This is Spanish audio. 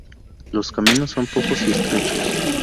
Los caminos son pocos y estrechos.